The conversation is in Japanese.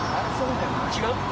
違う？